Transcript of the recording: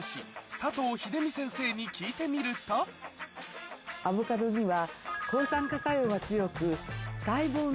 佐藤秀美先生に聞いてみるとアボカドには。